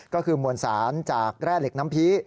ก็คือมวลสารจากแร่เหล็กน้ำพี